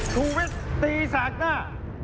ทวิทย์ตีศักดิ์หน้า